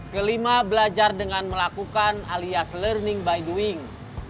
kelima belajar dengan melakukan alias learning by doing